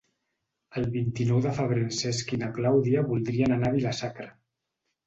El vint-i-nou de febrer en Cesc i na Clàudia voldrien anar a Vila-sacra.